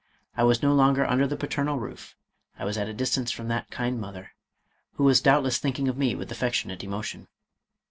I was no longer under the paternal roof, I was at a distance from that kind mother, who was doubtless thinking of me with affectionate emotion.